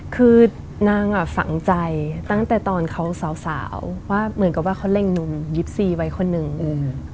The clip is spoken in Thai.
คือนางอ่ะฝังใจตั้งแต่ตอนเขาสาวสาวว่าเหมือนกับว่าเขาเล็งหนุ่มยิบซีไว้คนหนึ่งอืม